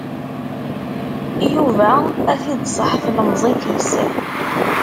Yuba ad t-id-tṣaḥ tlemmiẓt-is.